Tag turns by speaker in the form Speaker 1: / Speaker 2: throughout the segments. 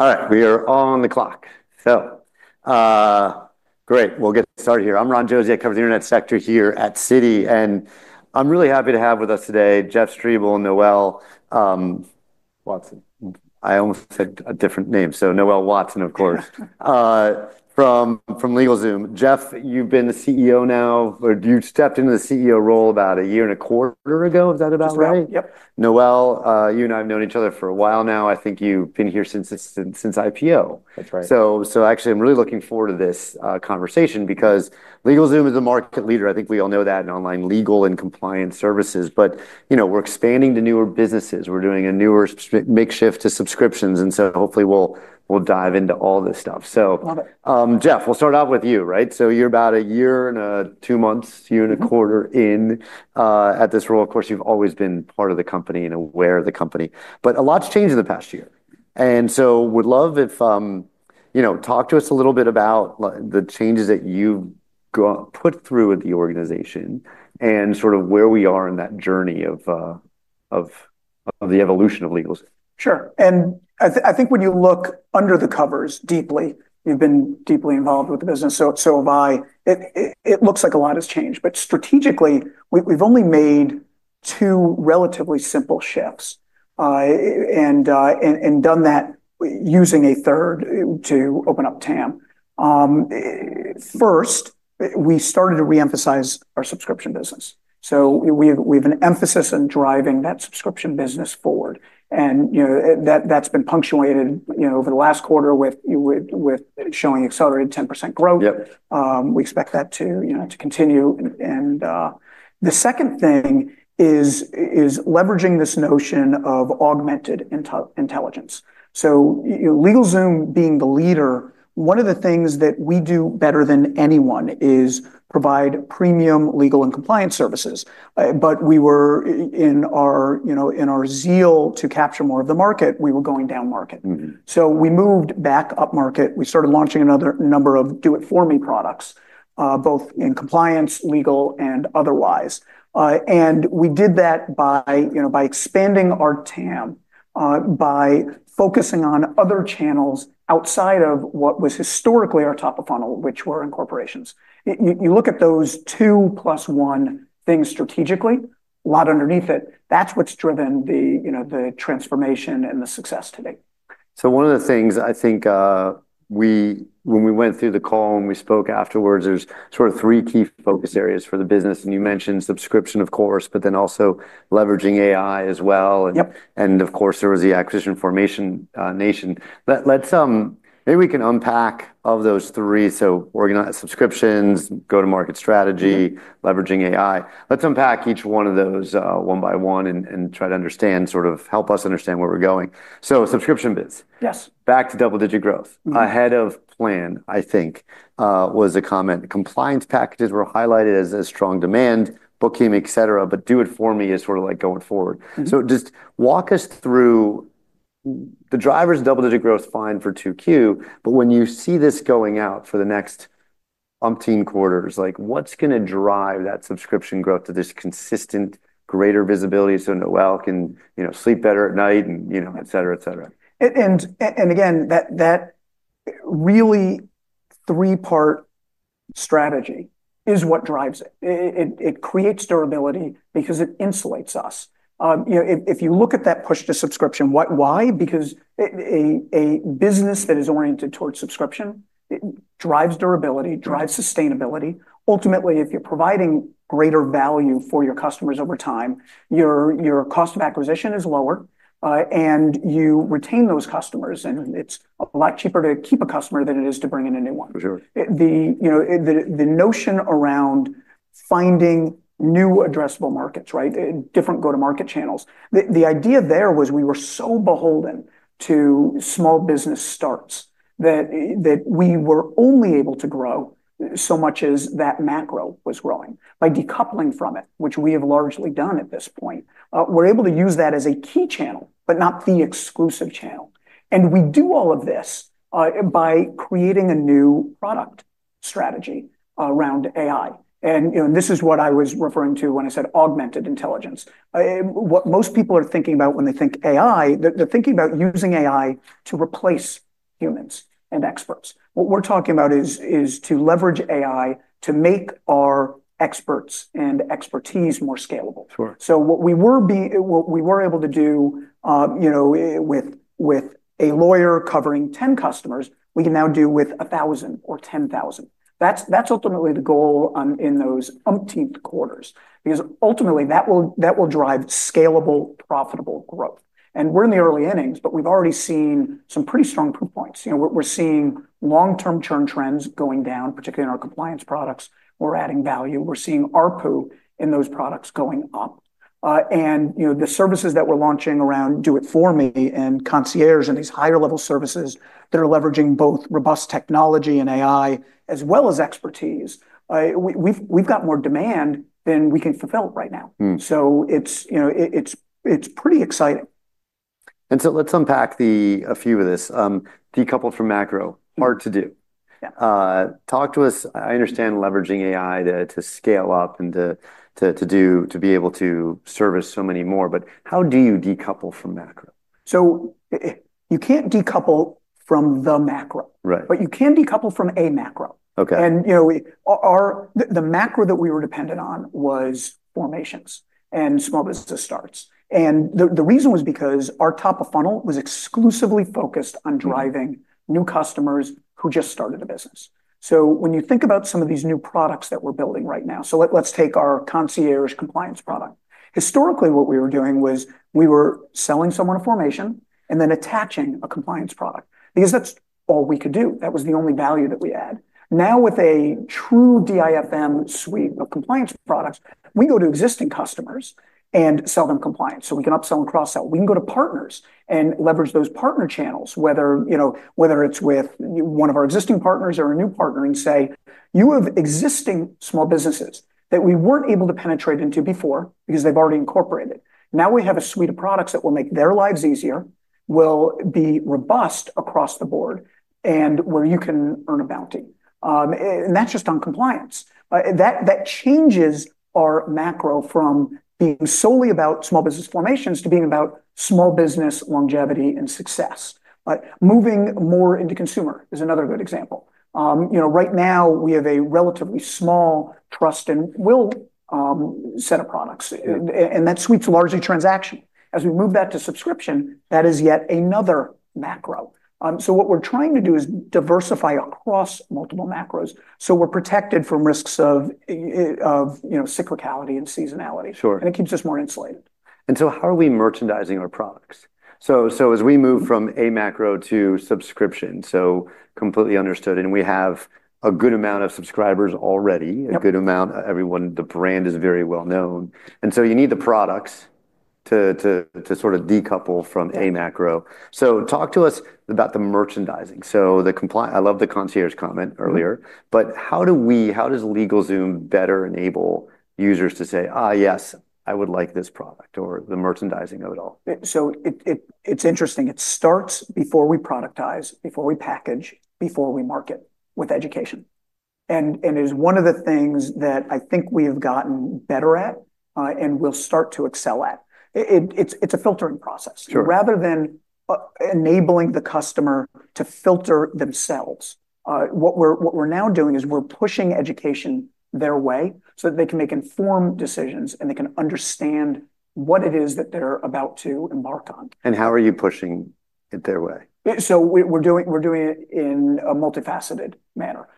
Speaker 1: All right, we a re on the clock. So, great, we'll get started here. I'm Ron Josey. I cover the internet sector here at Citi, and I'm really happy to have with us today, Jeff Stibel, Noel Watson. I almost said a different name, so Noel Watson, of course, from LegalZoom. Jeff, you've been the CEO now, or you stepped into the CEO role about a year and a quarter ago. Is that about right?
Speaker 2: Just about. Yep.
Speaker 1: Noel, you and I have known each other for a while now. I think you've been here since IPO.
Speaker 3: That's right.
Speaker 1: Actually, I'm really looking forward to this conversation because LegalZoom is a market leader. I think we all know that, in online legal and compliance services, but, you know, we're expanding to newer businesses. We're doing a newer space, make the shift to subscriptions, and so hopefully we'll dive into all this stuff, so.
Speaker 3: Love it.
Speaker 1: Jeff, we'll start out with you, right? So you're about a year and two months, year and a quarter in at this role. Of course, you've always been part of the company and aware of the company, but a lot's changed in the past year, and so would love if, you know, talk to us a little bit about the changes that you've put through with the organization and sort of where we are in that journey of the evolution of LegalZoom.
Speaker 2: Sure. And I think when you look under the covers deeply, you've been deeply involved with the business, so, so have I. It looks like a lot has changed, but strategically, we've only made two relatively simple shifts, and done that using a third to open up TAM. First, we started to re-emphasize our subscription business. So we have an emphasis on driving that subscription business forward, and, you know, that's been punctuated, you know, over the last quarter with showing accelerated 10% growth.
Speaker 1: Yep.
Speaker 2: We expect that to, you know, to continue. And the second thing is leveraging this notion of augmented intelligence. So, you know, LegalZoom being the leader, one of the things that we do better than anyone is provide premium legal and compliance services. But we were in our, you know, in our zeal to capture more of the market, we were going downmarket. So we moved back upmarket. We started launching another number of Do It For Me products, both in compliance, legal, and otherwise. And we did that by, you know, by expanding our TAM, by focusing on other channels outside of what was historically our top-of-funnel, which were in corporations. You look at those two plus one things strategically, a lot underneath it. That's what's driven the, you know, the transformation and the success today.
Speaker 1: So one of the things I think, when we went through the call and we spoke afterwards, there's sort of three key focus areas for the business, and you mentioned subscription, of course, but then also leveraging AI as well.
Speaker 2: Yep.
Speaker 1: Of course, there was the acquisition of Formation Nation. Let's maybe we can unpack those three. Organize subscriptions, go-to-market strategy leveraging AI. Let's unpack each one of those, one by one and try to understand, sort of help us understand where we're going. So subscription biz.
Speaker 2: Yes.
Speaker 1: Back to double-digit growth. Ahead of plan, I think, was the comment. Compliance packages were highlighted as a strong demand, bookkeeping, et cetera, but Do It For Me is sort of like going forward. So just walk us through the drivers double-digit growth fine for 2Q, but when you see this going out for the next umpteen quarters, like, what's gonna drive that subscription growth to this consistent, greater visibility so Noel can, you know, sleep better at night and, you know, et cetera, et cetera?
Speaker 2: And again, that really three-part strategy is what drives it. It creates durability because it insulates us. You know, if you look at that push to subscription, what, why? Because a business that is oriented towards subscription, it drives durability drives sustainability. Ultimately, if you're providing greater value for your customers over time, your cost of acquisition is lower, and you retain those customers, and it's a lot cheaper to keep a customer than it is to bring in a new one.
Speaker 1: For sure.
Speaker 2: You know, the notion around finding new addressable markets, right? Different go-to-market channels. The idea there was we were so beholden to small business starts, that we were only able to grow so much as that macro was growing. By decoupling from it, which we have largely done at this point, we're able to use that as a key channel, but not the exclusive channel, and we do all of this by creating a new product strategy around AI. You know, this is what I was referring to when I said augmented intelligence. What most people are thinking about when they think AI, they're thinking about using AI to replace humans and experts. What we're talking about is to leverage AI to make our experts and expertise more scalable.
Speaker 1: Sure.
Speaker 2: So what we were able to do, you know, with a lawyer covering 10 customers, we can now do with 1,000 or 10,000. That's ultimately the goal in those upcoming quarters, because ultimately, that will drive scalable, profitable growth. We're in the early innings, but we've already seen some pretty strong proof points. You know, we're seeing long-term churn trends going down, particularly in our compliance products. We're adding value. We're seeing ARPU in those products going up. And, you know, the services that we're launching around Do It For Me and Concierge and these higher-level services that are leveraging both robust technology and AI, as well as expertise, we've got more demand than we can fulfill right now. So it's, you know, it's pretty exciting.
Speaker 1: And so let's unpack a few of these. Decoupled from macro, hard to do. Talk to us. I understand leveraging AI to scale up and to be able to service so many more, but how do you decouple from macro?
Speaker 2: So, you can't decouple from the macro.
Speaker 1: Right.
Speaker 2: But you can decouple from a macro.
Speaker 1: Okay.
Speaker 2: You know, our macro that we were dependent on was formations and small business starts. The reason was because our top of funnel was exclusively focused on driving new customers who just started a business. So when you think about some of these new products that we're building right now, let's take our Compliance Concierge product. Historically, what we were doing was we were selling someone a formation and then attaching a compliance product, because that's all we could do. That was the only value that we had. Now, with a true DIFM suite of compliance products, we go to existing customers and sell them compliance, so we can upsell and cross-sell. We can go to partners and leverage those partner channels, whether, you know, it's with one of our existing partners or a new partner and say, "You have existing small businesses that we weren't able to penetrate into before because they've already incorporated. Now, we have a suite of products that will make their lives easier, will be robust across the board, and where you can earn a bounty." And that's just on compliance. That changes our macro from being solely about small business formations to being about small business longevity and success. But moving more into consumer is another good example. You know, right now, we have a relatively small Trust & Will set of products.
Speaker 1: Yeah.
Speaker 2: That suite's largely transaction. As we move that to subscription, that is yet another macro. So what we're trying to do is diversify across multiple macros, so we're protected from risks of, you know, cyclicality and seasonality.
Speaker 1: Sure.
Speaker 2: It keeps us more insulated.
Speaker 1: And so how are we merchandising our products? So as we move from a macro to subscription, so completely understood, and we have a good amount of subscribers already-
Speaker 2: Yep
Speaker 1: A good amount. Everyone, the brand is very well known, and so you need the products to sort of decouple from a macro. So talk to us about the merchandising. So the compliance. I love the concierge comment earlier. But how do we, how does LegalZoom better enable users to say, "Ah, yes, I would like this product," or the merchandising of it all?
Speaker 2: So it's interesting. It starts before we productize, before we package, before we market, with education, and is one of the things that I think we have gotten better at, and will start to excel at. It's a filtering process.
Speaker 1: Sure.
Speaker 2: Rather than enabling the customer to filter themselves, what we're now doing is we're pushing education their way, so that they can make informed decisions, and they can understand what it is that they're about to embark on.
Speaker 1: How are you pushing it their way?
Speaker 2: So we're doing it in a multifaceted manner.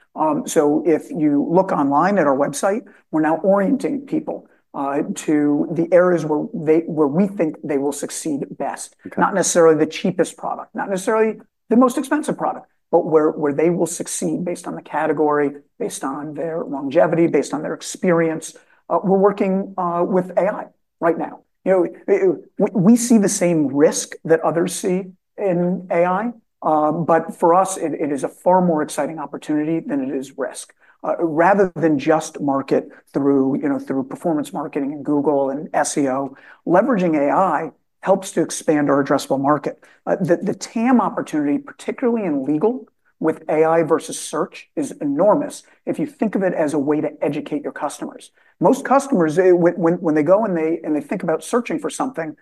Speaker 2: So if you look online at our website, we're now orienting people to the areas where we think they will succeed best.
Speaker 1: Okay.
Speaker 2: Not necessarily the cheapest product, not necessarily the most expensive product, but where they will succeed based on the category, based on their longevity, based on their experience. We're working with AI right now. You know, we see the same risk that others see in AI, but for us, it is a far more exciting opportunity than it is risk. Rather than just marketing through, you know, through performance marketing and Google and SEO, leveraging AI helps to expand our addressable market. The TAM opportunity, particularly in legal, with AI versus search, is enormous, if you think of it as a way to educate your customers. Most customers, when they go and they think about searching for something,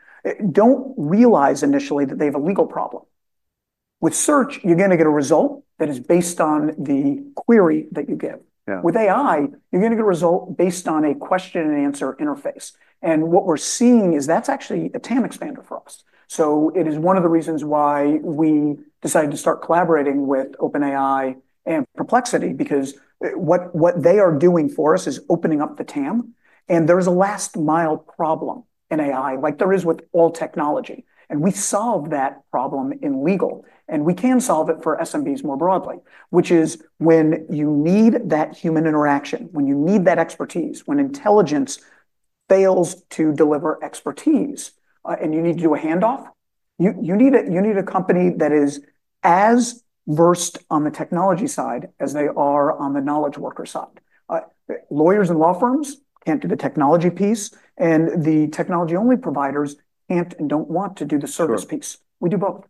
Speaker 2: don't realize initially that they have a legal problem. With search, you're gonna get a result that is based on the query that you give.
Speaker 1: Yeah.
Speaker 2: With AI, you're gonna get a result based on a question-and-answer interface, and what we're seeing is that's actually a TAM expander for us. So it is one of the reasons why we decided to start collaborating with OpenAI and Perplexity, because what they are doing for us is opening up the TAM, and there is a last-mile problem in AI, like there is with all technology, and we solve that problem in legal, and we can solve it for SMBs more broadly, which is when you need that human interaction, when you need that expertise, when intelligence fails to deliver expertise, and you need to do a handoff, you need a company that is as versed on the technology side as they are on the knowledge worker side. Lawyers and law firms can't do the technology piece, and the technology-only providers can't and don't want to do the service piece.
Speaker 1: Sure.
Speaker 2: We do both.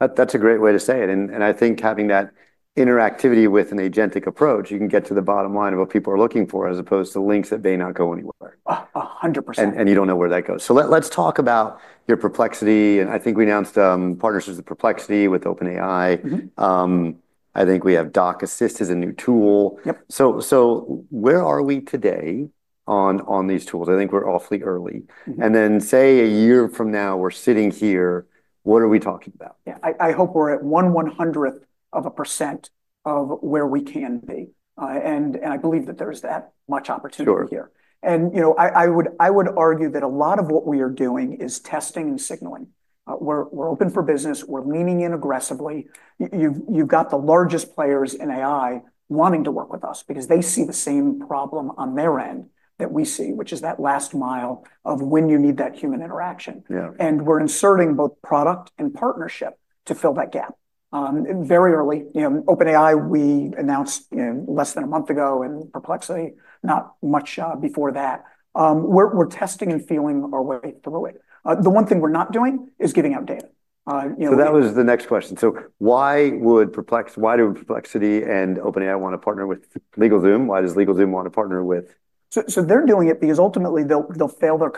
Speaker 1: That, that's a great way to say it, and I think having that interactivity with an agentic approach, you can get to the bottom line of what people are looking for, as opposed to links that may not go anywhere.
Speaker 2: Oh, 100%.
Speaker 1: You don't know where that goes. Let's talk about your Perplexity, and I think we announced partnerships with Perplexity, with OpenAI. I think we have DocAssist as a new tool.
Speaker 2: Yep.
Speaker 1: So, where are we today on these tools? I think we're awfully early And then, say, a year from now, we're sitting here, what are we talking about?
Speaker 2: Yeah. I hope we're at one one-hundredth of a percent of where we can be. I believe that there's that much opportunity here.
Speaker 1: Sure.
Speaker 2: You know, I would argue that a lot of what we are doing is testing and signaling. We're open for business. We're leaning in aggressively. You've got the largest players in AI wanting to work with us because they see the same problem on their end that we see, which is that last mile of when you need that human interaction.
Speaker 1: Yeah.
Speaker 2: And we're inserting both product and partnership to fill that gap. Very early, you know, OpenAI, we announced, you know, less than a month ago, and Perplexity not much before that. We're testing and feeling our way through it. The one thing we're not doing is giving out data....
Speaker 1: So that was the next question, so why do Perplexity and OpenAI want to partner with LegalZoom? Why does LegalZoom want to partner with-
Speaker 2: They're doing it because ultimately they'll fail their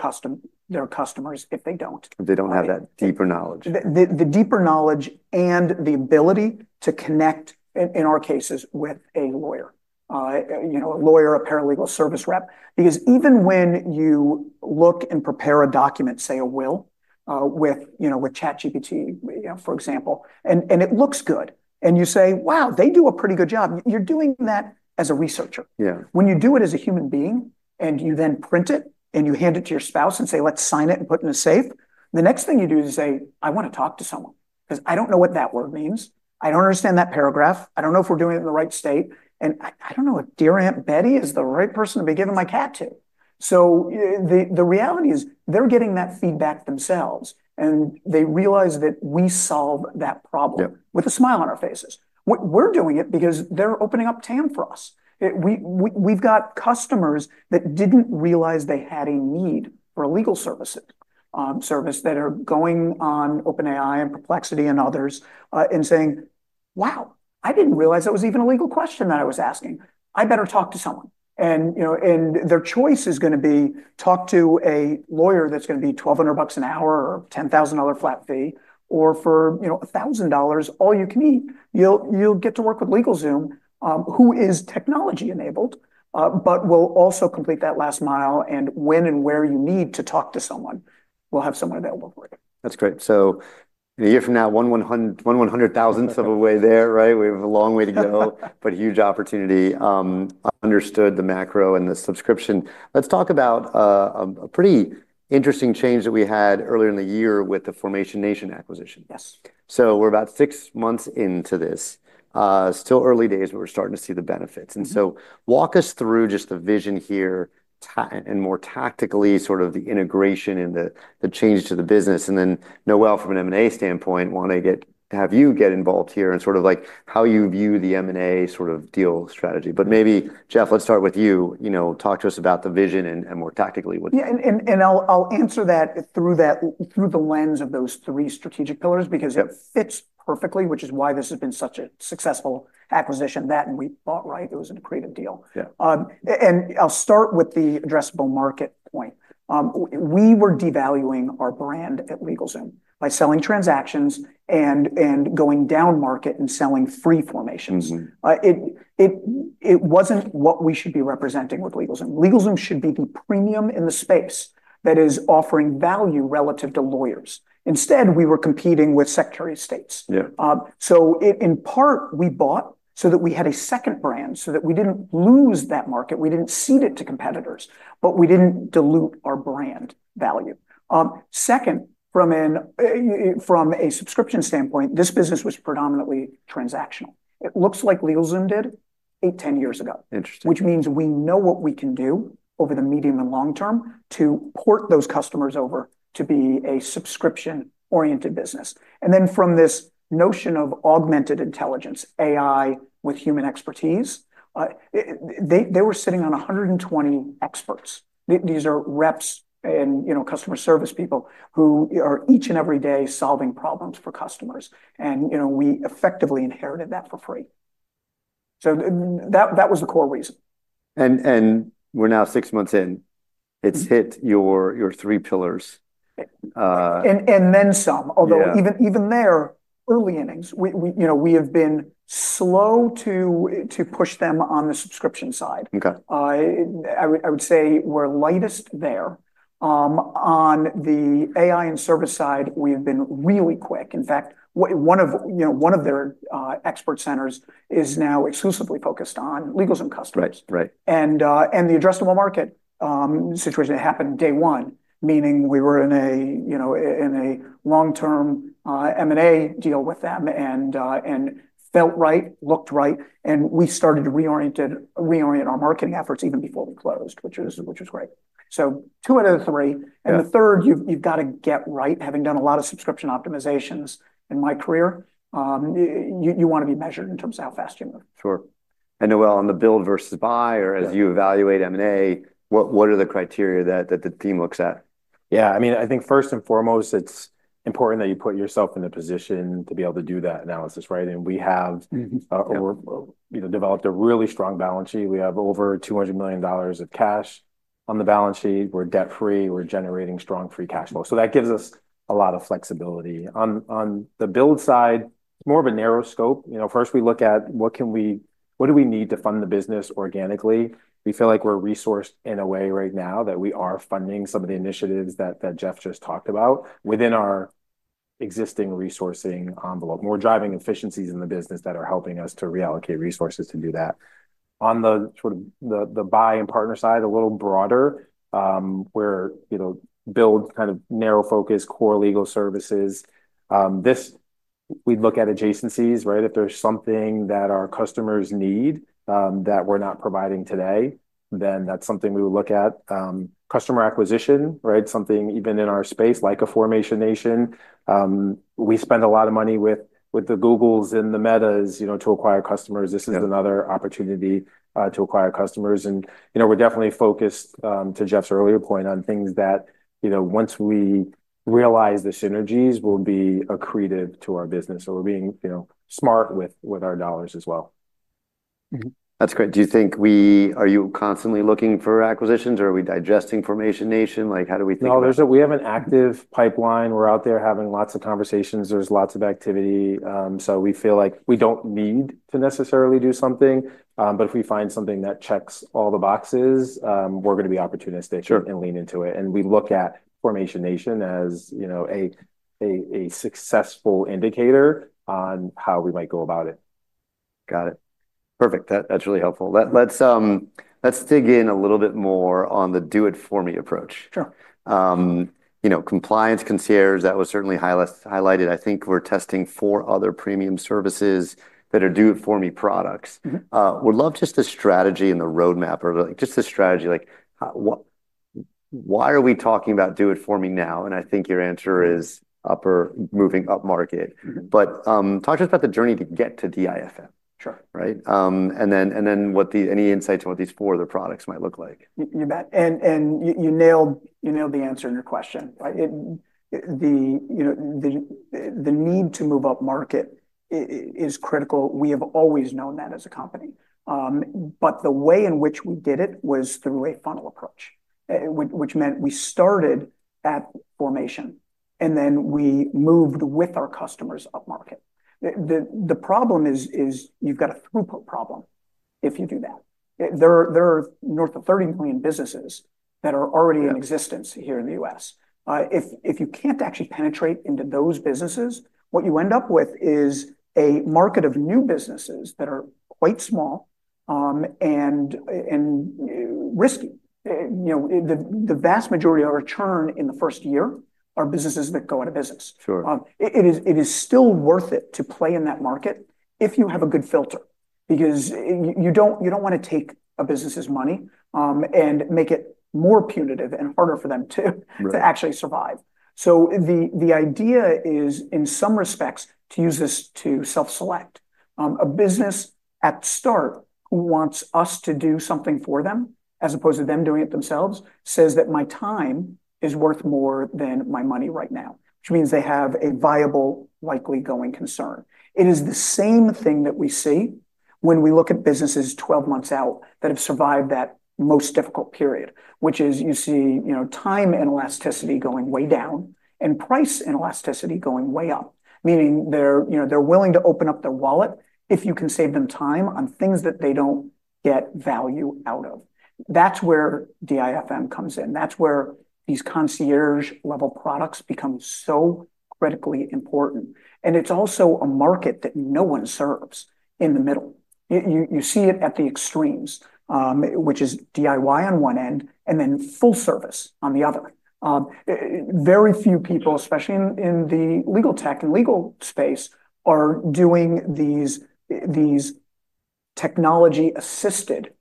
Speaker 2: customers if they don't.
Speaker 1: They don't have that deeper knowledge.
Speaker 2: The deeper knowledge and the ability to connect in our cases with a lawyer. You know, a lawyer, a paralegal service rep. Because even when you look and prepare a document, say a will, with you know with ChatGPT, you know, for example, and it looks good, and you say, "Wow, they do a pretty good job," you're doing that as a researcher.
Speaker 1: Yeah.
Speaker 2: When you do it as a human being, and you then print it, and you hand it to your spouse and say, "Let's sign it and put it in a safe," the next thing you do is say, "I want to talk to someone, 'cause I don't know what that word means. I don't understand that paragraph. I don't know if we're doing it in the right state, and I don't know if dear Aunt Betty is the right person to be giving my cat to." So, the reality is, they're getting that feedback themselves, and they realize that we solve that problem-
Speaker 1: Yeah
Speaker 2: With a smile on our faces. We're doing it because they're opening up TAM for us. We've got customers that didn't realize they had a need for legal services, service, that are going on OpenAI and Perplexity and others, and saying, "Wow, I didn't realize that was even a legal question that I was asking. I better talk to someone," and you know, and their choice is gonna be talk to a lawyer that's gonna be $1,200 an hour or a $10,000 flat fee, or for, you know, $1,000, all you can eat, you'll get to work with LegalZoom, who is technology-enabled, but will also complete that last mile, and when and where you need to talk to someone, we'll have someone available for you.
Speaker 1: That's great, so a year from now, one one-hundred-thousandth of the way there, right? We have a long way to go, but a huge opportunity. Understood the macro and the subscription. Let's talk about a pretty interesting change that we had earlier in the year with the Formation Nation acquisition.
Speaker 2: Yes.
Speaker 1: So we're about six months into this. Still early days, but we're starting to see the benefits. And so walk us through just the vision here, and more tactically, sort of the integration and the change to the business. And then, Noel, from an M&A standpoint, have you get involved here, and sort of like how you view the M&A sort of deal strategy. But maybe, Jeff, let's start with you. You know, talk to us about the vision and more tactically with-
Speaker 2: Yeah, and I'll answer that through the lens of those three strategic pillars-
Speaker 1: Yeah
Speaker 2: Because it fits perfectly, which is why this has been such a successful acquisition, that and we bought right. It was an accretive deal.
Speaker 1: Yeah.
Speaker 2: I'll start with the addressable market point. We were devaluing our brand at LegalZoom by selling transactions and going downmarket and selling free formations. It wasn't what we should be representing with LegalZoom. LegalZoom should be the premium in the space that is offering value relative to lawyers. Instead, we were competing with secretaries of state.
Speaker 1: Yeah.
Speaker 2: In part, we bought so that we had a second brand, so that we didn't lose that market, we didn't cede it to competitors, but we didn't dilute our brand value. Second, from a subscription standpoint, this business was predominantly transactional. It looks like LegalZoom did eight, 10 years ago.
Speaker 1: Interesting.
Speaker 2: Which means we know what we can do over the medium and long-term to port those customers over to be a subscription-oriented business. And then from this notion of augmented intelligence, AI with human expertise, they were sitting on 120 experts. These are reps and, you know, customer service people who are each and every day solving problems for customers. And, you know, we effectively inherited that for free. So that was the core reason.
Speaker 1: And, we're now six months in. It's hit your three pillars.
Speaker 2: And then some-
Speaker 1: Yeah
Speaker 2: Although even there, early innings. We, you know, we have been slow to push them on the subscription side.
Speaker 1: Okay.
Speaker 2: I would say we're lightest there. On the AI and service side, we've been really quick. In fact, you know, one of their expert centers is now exclusively focused on LegalZoom customers.
Speaker 1: Right. Right.
Speaker 2: And the addressable market situation, it happened day one, meaning we were in a, you know, in a long-term M&A deal with them, and felt right, looked right, and we started to reorient our marketing efforts even before we closed, which is great. So two out of the three.
Speaker 1: Yeah.
Speaker 2: The third, you've gotta get right. Having done a lot of subscription optimizations in my career, you wanna be measured in terms of how fast you move.
Speaker 1: Sure. And Noel, on the build versus buy-
Speaker 3: Yeah
Speaker 1: Or as you evaluate M&A, what are the criteria that the team looks at?
Speaker 3: Yeah, I mean, I think first and foremost, it's important that you put yourself in a position to be able to do that analysis, right? And we have developed a really strong balance sheet. We have over $200 million of cash on the balance sheet. We're debt-free. We're generating strong free cash flow. So that gives us a lot of flexibility. On the build side, it's more of a narrow scope. You know, first we look at what do we need to fund the business organically? We feel like we're resourced in a way right now that we are funding some of the initiatives that Jeff just talked about within our existing resourcing envelope. and we're driving efficiencies in the business that are helping us to reallocate resources to do that. On the sort of the buy and partner side, a little broader, where, you know, build kind of narrow focus, core legal services, this, we'd look at adjacencies, right? If there's something that our customers need, that we're not providing today, then that's something we would look at. Customer acquisition, right? Something even in our space, like the Formation Nation, we spend a lot of money with the Googles and the Metas, you know, to acquire customers.
Speaker 1: Yeah.
Speaker 3: This is another opportunity to acquire customers, and you know, we're definitely focused to Jeff's earlier point, on things that, you know, once we realize the synergies, will be accretive to our business, so we're being, you know, smart with our dollars as well.
Speaker 1: That's great. Do you think are you constantly looking for acquisitions, or are we digesting Formation Nation? Like, how do we think about it?
Speaker 3: No, there's—we have an active pipeline. We're out there having lots of conversations. There's lots of activity. So we feel like we don't need to necessarily do something, but if we find something that checks all the boxes, we're gonna be opportunistic-
Speaker 1: Sure
Speaker 3: And lean into it. And we look at Formation Nation as, you know, a successful indicator on how we might go about it.
Speaker 1: Got it. Perfect. That, that's really helpful.
Speaker 3: Yeah.
Speaker 1: Let's dig in a little bit more on the do it for me approach.
Speaker 2: Sure.
Speaker 1: You know, Compliance Concierge, that was certainly highlighted. I think we're testing four other premium services that are Do It For Me products. Would love just the strategy and the roadmap or like just the strategy, like, why are we talking about do it for me now? And I think your answer is moving upmarket. But, talk to us about the journey to get to DIFM?
Speaker 3: Sure.
Speaker 1: Right? And then, any insights on what these four other products might look like?
Speaker 2: You bet. And you nailed the answer in your question, right? It, you know, the need to move upmarket is critical. We have always known that as a company. But the way in which we did it was through a funnel approach, which meant we started at formation, and then we moved with our customers upmarket. The problem is you've got a throughput problem if you do that. There are north of 30 million businesses that are already in existence here in the U.S. If you can't actually penetrate into those businesses, what you end up with is a market of new businesses that are quite small, and risky. You know, the vast majority are returned in the first year, are businesses that go out of business.
Speaker 1: Sure.
Speaker 2: It is still worth it to play in that market if you have a good filter, because you don't wanna take a business's money and make it more punitive and harder for them to-
Speaker 1: Right
Speaker 2: to actually survive. So the idea is, in some respects, to use this to self-select. A business at the start who wants us to do something for them, as opposed to them doing it themselves, says that: My time is worth more than my money right now, which means they have a viable, likely going concern. It is the same thing that we see when we look at businesses 12 months out that have survived that most difficult period, which is you see, you know, time inelasticity going way down and price inelasticity going way up, meaning they're, you know, they're willing to open up their wallet if you can save them time on things that they don't get value out of. That's where DIFM comes in. That's where these concierge-level products become so critically important, and it's also a market that no one serves in the middle. You see it at the extremes, which is DIY on one end and then full service on the other. Very few people, especially in the legal tech and legal space, are doing these technology-assisted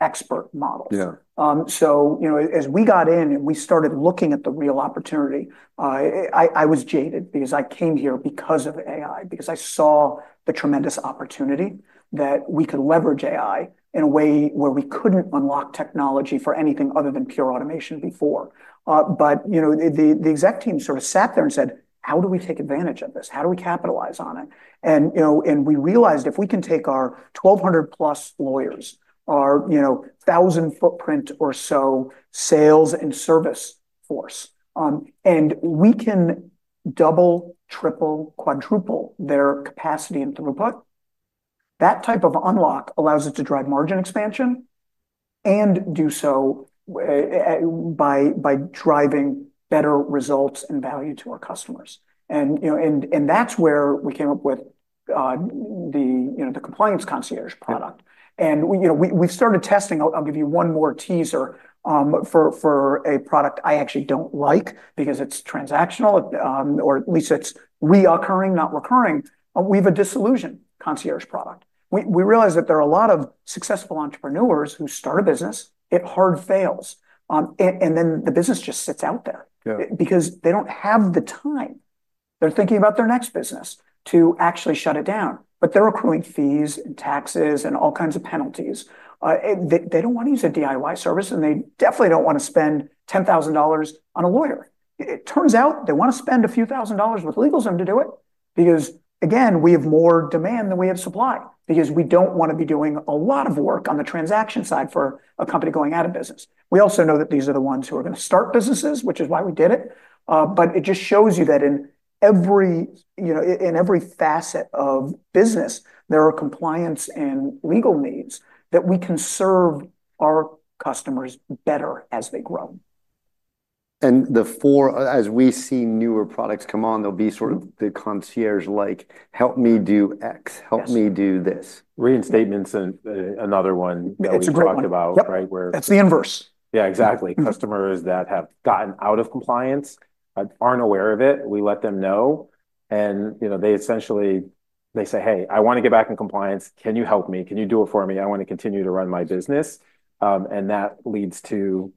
Speaker 2: expert models.
Speaker 1: Yeah.
Speaker 2: So, you know, as we got in and we started looking at the real opportunity, I was jaded because I came here because of AI, because I saw the tremendous opportunity that we could leverage AI in a way where we couldn't unlock technology for anything other than pure automation before. But, you know, the exec team sort of sat there and said: "How do we take advantage of this? How do we capitalize on it?" You know, we realized if we can take our 1,200+ lawyers, our, you know, thousand footprint or so sales and service force, and we can double, triple, quadruple their capacity and throughput, that type of unlock allows us to drive margin expansion and do so by driving better results and value to our customers. You know, that's where we came up with, you know, the Compliance Concierge product.
Speaker 1: Yeah.
Speaker 2: We, you know, we started testing. I'll give you one more teaser for a product I actually don't like because it's transactional, or at least it's reoccurring, not recurring. We have a Dissolution Concierge product. We realize that there are a lot of successful entrepreneurs who start a business, it hard fails, and then the business just sits out there-
Speaker 1: Yeah
Speaker 2: Because they don't have the time. They're thinking about their next business, to actually shut it down, but they're accruing fees and taxes and all kinds of penalties. They, they don't want to use a DIY service, and they definitely don't want to spend ten thousand dollars on a lawyer. It turns out they want to spend a few thousand dollars with LegalZoom to do it, because, again, we have more demand than we have supply, because we don't want to be doing a lot of work on the transaction side for a company going out of business. We also know that these are the ones who are gonna start businesses, which is why we did it. But it just shows you that in every, you know, in every facet of business, there are compliance and legal needs that we can serve our customers better as they grow.
Speaker 1: The four, as we see newer products come on, they'll be sort of the concierge, like, help me do X-
Speaker 2: Yes
Speaker 1: Help me do this. Reinstatement's another one- Yeah, it's a great one....
Speaker 2: that we talked about, right? Where- That's the inverse. Yeah, exactly.
Speaker 3: Customers that have gotten out of compliance, but aren't aware of it, we let them know, and, you know, they essentially, they say: "Hey, I want to get back in compliance. Can you help me? Can you do it for me? I want to continue to run my business." And that leads to,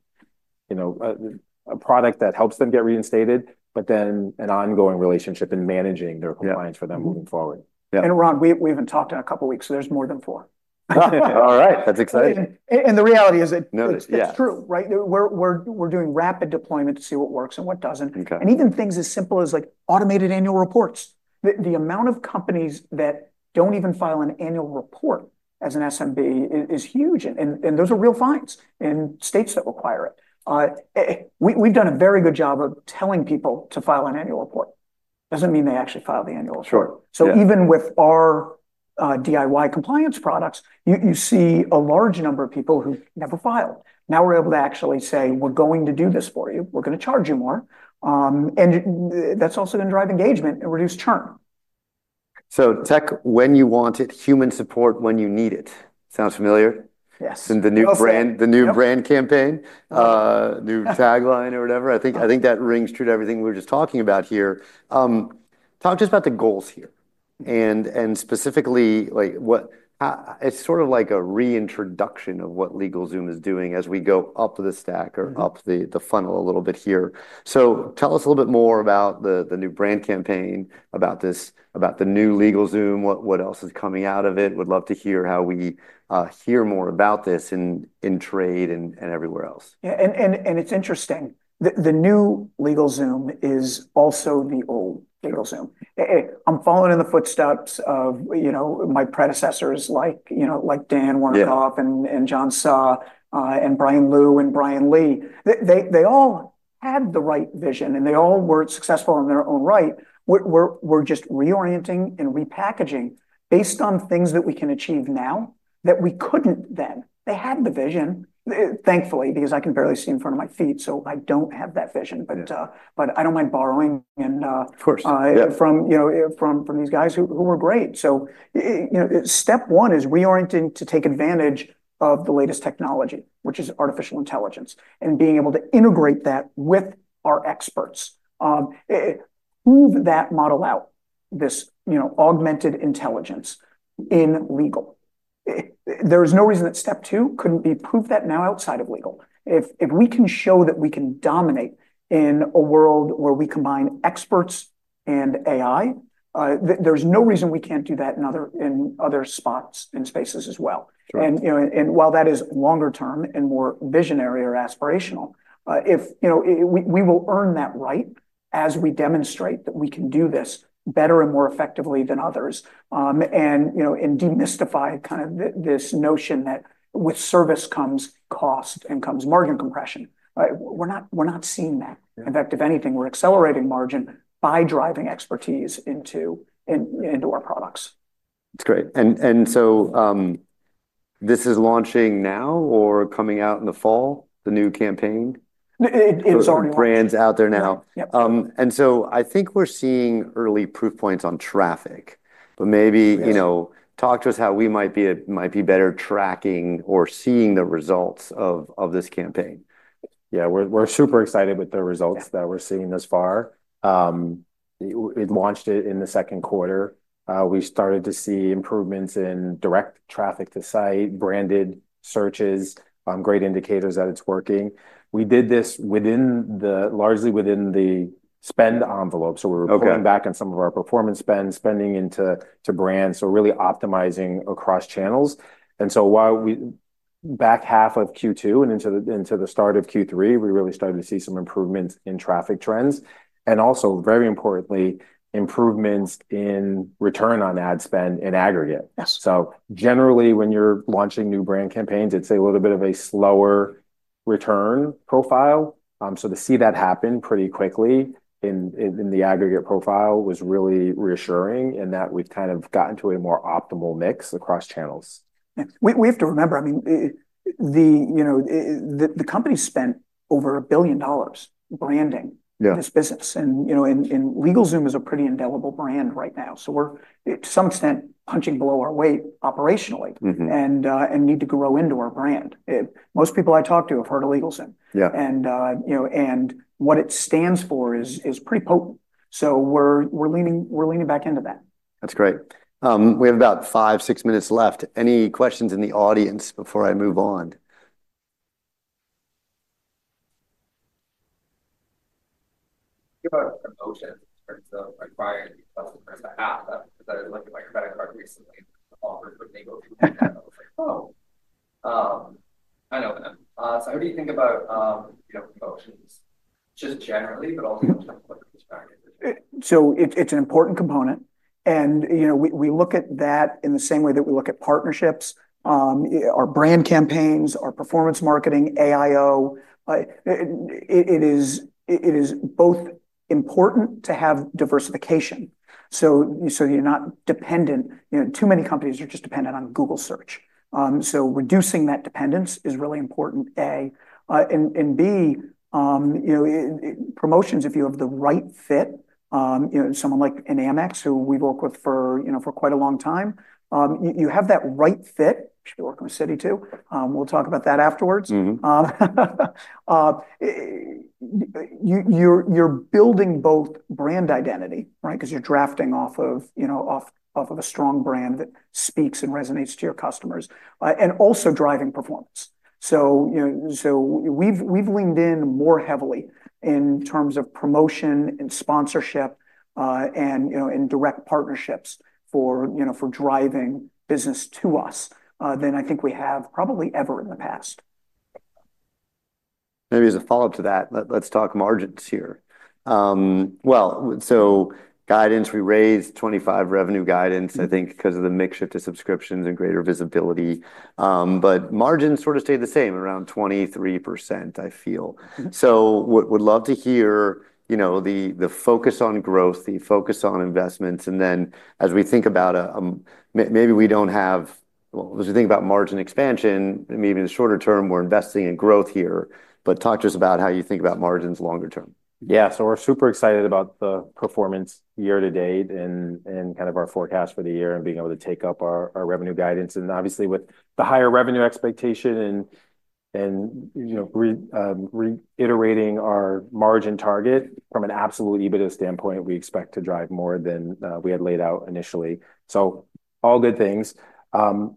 Speaker 3: you know, a product that helps them get reinstated, but then an ongoing relationship in managing their compliance for them moving forward. Yeah.
Speaker 2: And Ron, we even talked in a couple of weeks, so there's more than four?
Speaker 1: All right, that's exciting. The reality is that- Noted. Yeah
Speaker 2: It's true, right? We're doing rapid deployment to see what works and what doesn't.
Speaker 1: Okay.
Speaker 2: Even things as simple as, like, automated annual reports. The amount of companies that don't even file an annual report as an SMB is huge, and those are real fines in states that require it. We've done a very good job of telling people to file an annual report. Doesn't mean they actually file the annual report.
Speaker 1: Sure. Yeah.
Speaker 2: So even with our DIY compliance products, you see a large number of people who never filed. Now we're able to actually say, "We're going to do this for you. We're gonna charge you more." And that's also gonna drive engagement and reduce churn.
Speaker 1: So tech when you want it, human support when you need it. Sounds familiar?
Speaker 2: Yes.
Speaker 1: In the new brand-
Speaker 2: Yep
Speaker 1: The new brand campaign?
Speaker 2: Yeah.
Speaker 1: New tagline or whatever. I think that rings true to everything we were just talking about here. Talk to us about the goals here, and specifically, like, what... It's sort of like a reintroduction of what LegalZoom is doing as we go up the stack or up the funnel a little bit here. So tell us a little bit more about the new brand campaign, about the new LegalZoom. What else is coming out of it? Would love to hear how we hear more about this in trade and everywhere else.
Speaker 2: Yeah, and it's interesting. The new LegalZoom is also the old LegalZoom. I'm following in the footsteps of, you know, my predecessors like, you know, like Dan Wernikoff-
Speaker 1: Yeah
Speaker 2: And John Suh, and Brian Liu, and Brian Lee. They all had the right vision, and they all were successful in their own right. We're just reorienting and repackaging based on things that we can achieve now that we couldn't then. They had the vision, thankfully, because I can barely see in front of my feet, so I don't have that vision.
Speaker 1: Yeah.
Speaker 2: But I don't mind borrowing and
Speaker 1: Of course
Speaker 2: From, you know, from these guys who were great. So, you know, step one is reorienting to take advantage of the latest technology, which is artificial intelligence, and being able to integrate that with our experts. Move that model out, this, you know, augmented intelligence in legal. There is no reason that step two couldn't be: prove that now outside of legal. If we can show that we can dominate in a world where we combine experts and AI, there's no reason we can't do that in other spots, in spaces as well.
Speaker 1: Sure.
Speaker 2: You know, while that is longer term and more visionary or aspirational, you know, we will earn that right as we demonstrate that we can do this better and more effectively than others and demystify kind of this notion that with service comes cost and comes margin compression, right? We're not, we're not seeing that.
Speaker 1: Yeah.
Speaker 2: In fact, if anything, we're accelerating margin by driving expertise into our products.
Speaker 1: That's great. And so, this is launching now or coming out in the fall, the new campaign?
Speaker 2: It. It's already launched.
Speaker 1: The brand's out there now.
Speaker 2: Yep, yep.
Speaker 1: And so I think we're seeing early proof points on traffic, but maybe you know, talk to us how we might be better tracking or seeing the results of this campaign.
Speaker 3: Yeah, we're super excited with the results that we're seeing thus far. It launched it in the second quarter. We started to see improvements in direct traffic to site, branded searches, great indicators that it's working. We did this within largely within the spend envelope.
Speaker 1: Okay.
Speaker 3: So, we're pulling back on some of our performance spend, spending into brand, so really optimizing across channels. And so, while back half of Q2 and into the start of Q3, we really started to see some improvements in traffic trends, and also, very importantly, improvements in return on ad spend in aggregate.
Speaker 2: Yes.
Speaker 3: Generally, when you're launching new brand campaigns, it's a little bit of a slower return profile. To see that happen pretty quickly in the aggregate profile was really reassuring in that we've kind of gotten to a more optimal mix across channels.
Speaker 2: Yeah. We have to remember, I mean, you know, the company spent over $1 billion branding-
Speaker 1: Yeah
Speaker 2: This business. And, you know, LegalZoom is a pretty indelible brand right now. So we're, to some extent, punching below our weight operationally and need to grow into our brand. Most people I talk to have heard of LegalZoom.
Speaker 1: Yeah.
Speaker 2: You know, and what it stands for is pretty potent, so we're leaning back into that.
Speaker 1: That's great. We have about five, six minutes left. Any questions in the audience before I move on?
Speaker 4: About promotions, in terms of acquiring customers. I have that, 'cause I was looking at my credit card recently, offered with LegalZoom, and I was like, "Oh!" I know them. So what do you think about, you know, promotions, just generally, but also from a quick perspective?
Speaker 2: So it's an important component, and, you know, we look at that in the same way that we look at partnerships, our brand campaigns, our performance marketing, AIO. It is both important to have diversification, so you're not dependent. You know, too many companies are just dependent on Google search. So reducing that dependence is really important, A, and B, you know, promotions, if you have the right fit, you know, someone like an Amex, who we've worked with for, you know, for quite a long time, you have that right fit. We work with Citi, too. We'll talk about that afterwards. You're building both brand identity, right? 'Cause you're drafting off of a strong brand that speaks and resonates to your customers, and also driving performance. We've leaned in more heavily in terms of promotion and sponsorship, and in direct partnerships for driving business to us, than I think we have probably ever in the past.
Speaker 1: Maybe as a follow-up to that, let's talk margins here. Well, so, guidance, we raised 2025 revenue guidance, I think, because of the mix shift to subscriptions and greater visibility, but margins sort of stayed the same, around 23%, I feel. So would love to hear, you know, the focus on growth, the focus on investments, and then as we think about margin expansion, maybe in the shorter-term, we're investing in growth here. But talk to us about how you think about margins longer-term.
Speaker 3: Yeah. So we're super excited about the performance year-to-date and kind of our forecast for the year and being able to take up our revenue guidance, and obviously with the higher revenue expectation and, you know, reiterating our margin target from an absolute EBITDA standpoint, we expect to drive more than we had laid out initially. So all good things.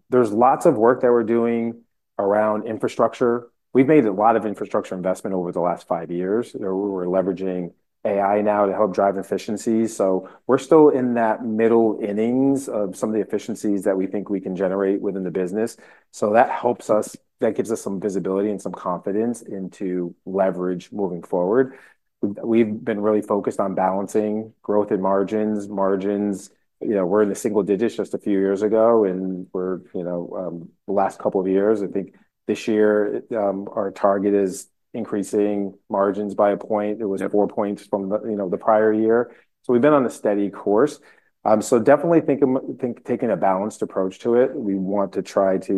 Speaker 3: There's lots of work that we're doing around infrastructure. We've made a lot of infrastructure investment over the last five years. You know, we're leveraging AI now to help drive efficiencies, so we're still in that middle innings of some of the efficiencies that we think we can generate within the business. So that helps us. That gives us some visibility and some confidence into leverage moving forward. We've been really focused on balancing growth and margins. Margins, you know, were in the single digits just a few years ago, and we're, you know, the last couple of years, I think this year, our target is increasing margins by a point.
Speaker 1: Yep.
Speaker 3: It was four points from the, you know, the prior year. So we've been on a steady course. So definitely think taking a balanced approach to it. We want to try to,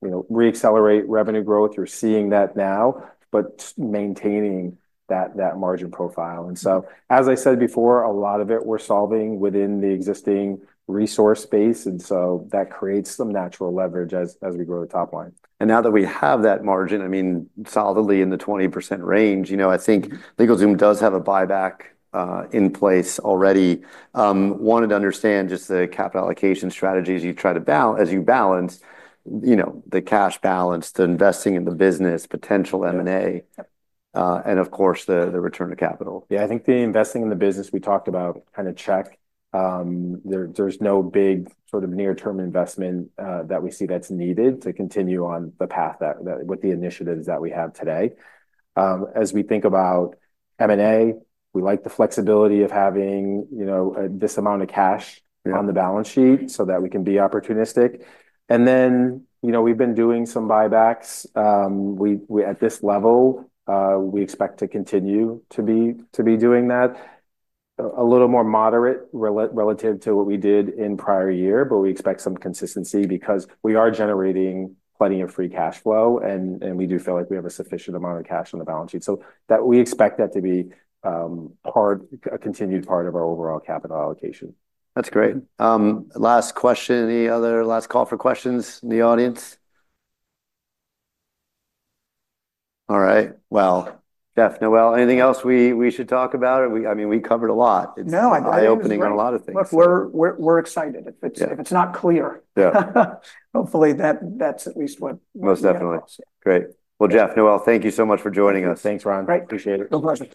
Speaker 3: you know, reaccelerate revenue growth. You're seeing that now, but maintaining that margin profile. And so as I said before, a lot of it we're solving within the existing resource base, and so that creates some natural leverage as we grow the top line.
Speaker 1: Now that we have that margin, I mean, solidly in the 20% range, you know, I think LegalZoom does have a buyback in place already. Wanted to understand just the capital allocation strategies as you balance, you know, the cash balance, the investing in the business, potential M&A and of course, the return to capital.
Speaker 3: Yeah, I think the investing in the business, we talked about, kind of check. There, there's no big sort of near-term investment that we see that's needed to continue on the path that with the initiatives that we have today. As we think about M&A, we like the flexibility of having, you know, this amount of cash-
Speaker 1: Yeah
Speaker 3: on the balance sheet so that we can be opportunistic. And then, you know, we've been doing some buybacks. We at this level, we expect to continue to be doing that, a little more moderate relative to what we did in prior year, but we expect some consistency because we are generating plenty of free cash flow, and we do feel like we have a sufficient amount of cash on the balance sheet. So that we expect that to be a continued part of our overall capital allocation.
Speaker 1: That's great. Last question. Any other last call for questions in the audience? All right. Well, Jeff, Noel, anything else we should talk about, or I mean, we covered a lot.
Speaker 2: No, I think it was great.
Speaker 1: It's eye-opening on a lot of things.
Speaker 2: We're excited-
Speaker 1: Yeah...
Speaker 2: if it's not clear.
Speaker 1: Yeah.
Speaker 2: Hopefully, that's at least what-
Speaker 1: Most definitely.
Speaker 2: Yeah.
Speaker 1: Great. Jeff, Noel, thank you so much for joining us.
Speaker 3: Thanks, Ron.
Speaker 2: Great.
Speaker 3: Appreciate it.
Speaker 2: No pleasure.